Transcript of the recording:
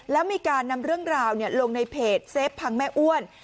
แล้วมีการนำเรื่องราวลงในเพจเซฟพังแม่อ้วน